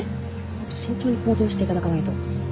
もっと慎重に行動していただかないと。